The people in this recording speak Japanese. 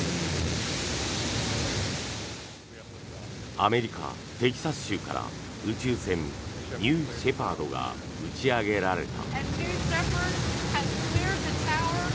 アメリカ・テキサス州から宇宙船、ニューシェパードが打ち上げられた。